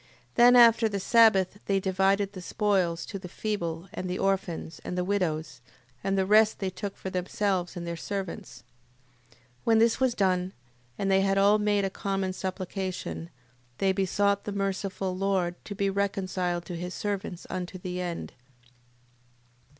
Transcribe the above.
8:28. Then after the sabbath they divided the spoils to the feeble and the orphans, and the widows, and the rest they took for themselves and their servants. 8:29. When this was done, and they had all made a common supplication, they besought the merciful Lord, to be reconciled to his servants unto the end.